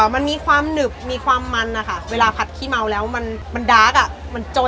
มันมีความหนึบมีความมันนะคะเวลาผัดขี้เมาแล้วมันดาร์กอ่ะมันจน